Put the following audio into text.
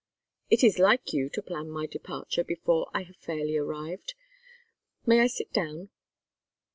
"It is like you to plan my departure before I have fairly arrived. May I sit down?"